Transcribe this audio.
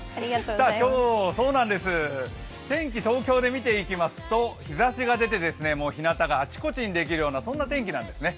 今日、天気、東京で見ていきますと日ざしが出て日なたがあちこちにできるような天気なんですね。